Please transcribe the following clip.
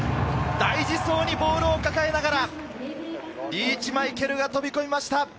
大事そうにボールを抱えながらリーチ・マイケルが飛び込みました。